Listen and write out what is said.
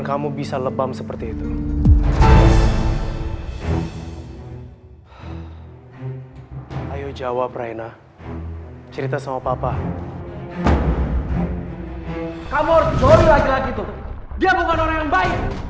kamu harus jori laki laki itu dia bukan orang yang baik